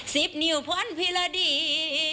สิบนิ้วพรพิระดี